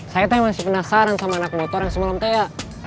saya masih penasaran sama anak motor yang semalam kayak